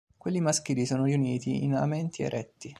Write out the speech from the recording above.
Quelli maschili sono riuniti in amenti eretti.